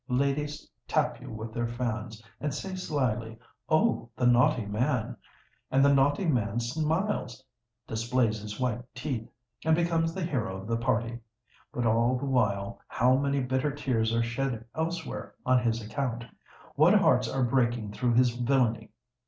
Ladies tap you with their fans, and say slyly, 'Oh! the naughty man!' And the naughty man smiles—displays his white teeth—and becomes the hero of the party! But all the while, how many bitter tears are shed elsewhere on his account! what hearts are breaking through his villany!